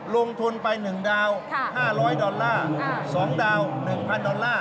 ลงทุนไป๑ดาว๕๐๐ดอลลาร์๒ดาว๑๐๐ดอลลาร์